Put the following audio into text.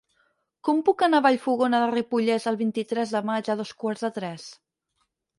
Com puc anar a Vallfogona de Ripollès el vint-i-tres de maig a dos quarts de tres?